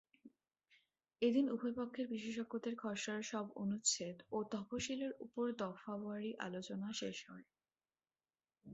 এদিন উভয়পক্ষের বিশেষজ্ঞদের খসড়ার সব অনুচ্ছেদ ও তফসিলের ওপর দফাওয়ারি আলোচনা শেষ হয়।